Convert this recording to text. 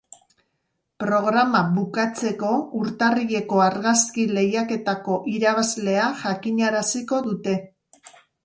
Programa bukatzeko, urtarrileko argazki-lehiaketako irabazlea jakinaraziko dute.